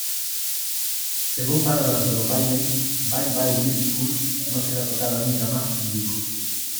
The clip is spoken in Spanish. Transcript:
Según palabras de Holopainen, "Bye Bye Beautiful" no será tocada nunca más en vivo.